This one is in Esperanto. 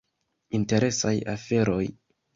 Interesaj aferoj.